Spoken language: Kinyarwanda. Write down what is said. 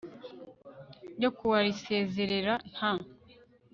RYO KUWA RISEZERERA NTA